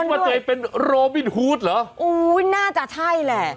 พิกัดว่าเธอเป็นโรมินฮูสเหรอน่าจะใช่แหละ